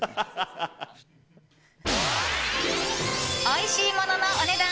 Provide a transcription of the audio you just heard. おいしいもののお値段